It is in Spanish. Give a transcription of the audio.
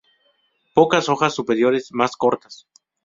Pocas hojas superiores más cortas.